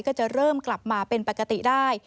ก็จะเริ่มกลับมาเป็นปกติได้